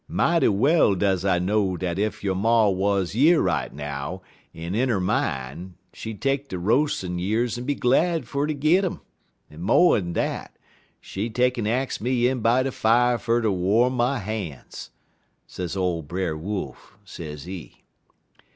Mighty well dose I know dat ef yo' ma wuz yer right now, en in 'er min', she 'd take de roas'n' years en be glad fer ter git um, en mo'n dat, she'd take'n ax me in by de fire fer ter worn my han's,' sez ole Brer Wolf, sezee.